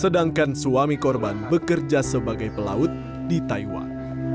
sedangkan suami korban bekerja sebagai pelaut di taiwan